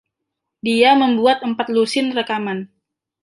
Dia membuat empat lusin rekaman.